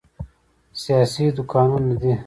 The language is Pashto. سیاسي دوکانونه دي.